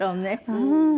うん。